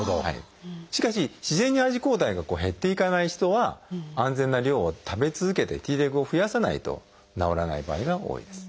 しかし自然にＩｇＥ抗体が減っていかない人は安全な量を食べ続けてＴレグを増やさないと治らない場合が多いです。